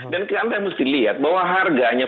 dan anda mesti lihat bahwa harganya